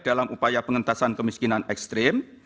dalam upaya pengentasan kemiskinan ekstrim